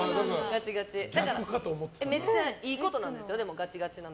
めっちゃいいことなんですよ